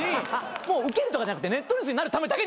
もうウケるとかじゃなくてネットニュースになるためだけに。